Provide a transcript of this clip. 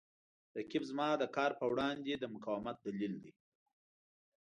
رقیب زما د کار په وړاندې د مقاومت دلیل دی